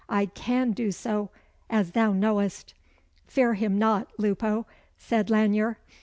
I can do so, as thou knowest!" "Fear him not, Lupo," said Lanyere.